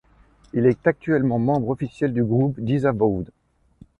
Il est actuellement membre officiel du groupe Disavowed.